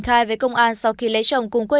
khai với công an sau khi lấy chồng cùng quê